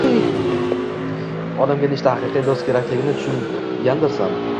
– Odamga nechta haqiqiy do‘st kerakligini tushungandirsan?